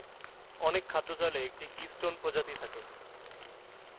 অনেক খাদ্য জালে একটি কি-স্টোন প্রজাতি থাকে।